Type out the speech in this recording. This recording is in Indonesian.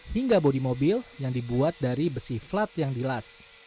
hingga bodi mobil yang dibuat dari besi flat yang dilas